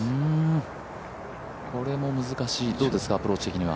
これも難しい、どうですか、アプローチ的には。